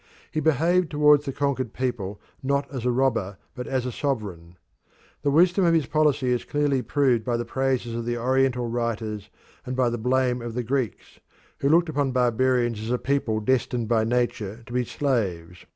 He behaved towards the conquered people not as a robber but as a sovereign. The wisdom of his policy is clearly proved by the praises of the Oriental writers and by the blame of the Greeks, who looked upon barbarians as a people destined by nature to be slaves.